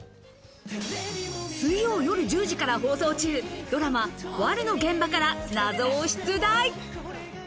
水曜夜１０時から放送中、ドラマ『悪女』の現場から謎を出題。